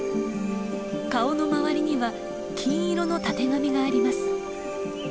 顔の周りには金色のたてがみがあります。